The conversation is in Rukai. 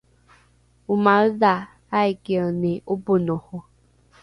omaedha aikieni ’oponoho?